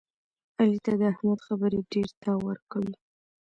علي ته د احمد خبرې ډېرتاو ورکوي.